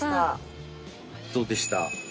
どうでした？